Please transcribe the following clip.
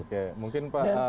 oke mungkin pak bang bud